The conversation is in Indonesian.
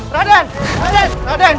raden tunggu raden